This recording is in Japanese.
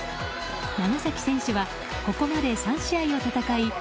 長崎選手はここまで３試合を戦い